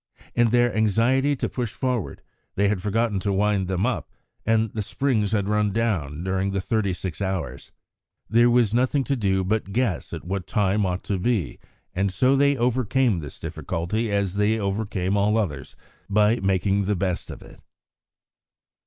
In their anxiety to push forward they had forgotten to wind them up, and the springs had run down during the thirty six hours. There was nothing to do but guess at what the time ought to be, and so they overcame this difficulty as they overcame all others, by making the best of it.